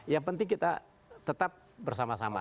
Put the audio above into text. yang penting kita tetap bersama sama